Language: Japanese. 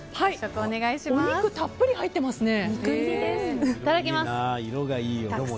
お肉たっぷり入ってますね。